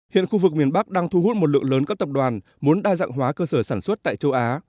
hiện khu vực miền bắc đang thu hút một lượng lớn các tập đoàn muốn đa dạng hóa cơ sở sản xuất tại châu á